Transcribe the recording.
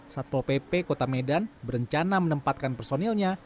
satpol pp kota medan berencana menempatkan personilnya